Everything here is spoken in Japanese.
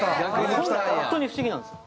本当に不思議なんですよ。